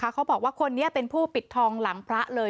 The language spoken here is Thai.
เขาบอกว่าคนนี้เป็นผู้ปิดทองหลังพระเลย